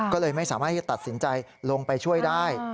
ก็เลยไม่สามารถที่จะตัดสินใจลงไปช่วยได้